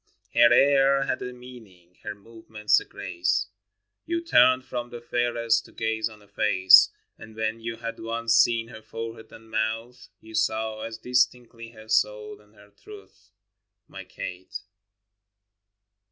Her air had a meaning, her movements a grace; You turned from the fairest to gaze on her face: And when you had once seen her forehead and mouth, You saw as distinctly her soul and her truth — My Kate.